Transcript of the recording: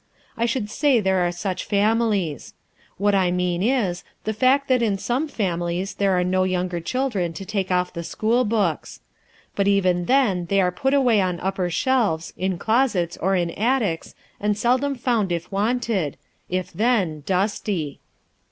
I should say there are such families. What I mean is, the fact that in some families there are no younger children to take off the school books. But even then they are put away on upper shelves, in closets or in attics, and seldom found if wanted, if then, dusty.